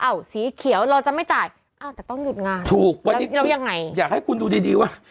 สีเขียวเราจะไม่จ่ายอ้าวแต่ต้องหยุดงานถูกวันนี้แล้วยังไงอยากให้คุณดูดีดีว่า